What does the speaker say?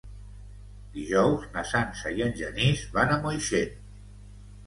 Dijous na Sança i en Genís van a Moixent.